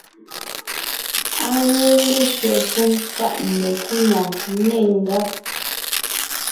Á wɔ́ lésẅɛ shúm páʼ mekúnɔ̀ɔn, nê ngáb.